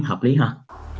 hợp lý hơn